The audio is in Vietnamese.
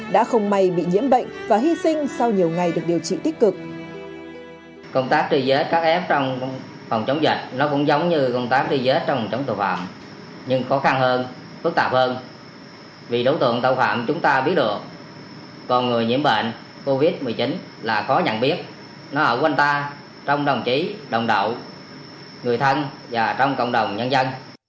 đã không may bị nhiễm bệnh và hy sinh sau nhiều ngày được điều trị tích cực